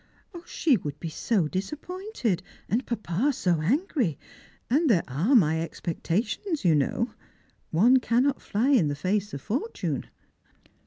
" She would be so disappointed, and papa so angry ; and there are my expectations, you know. One cannot fly in the face of fortune."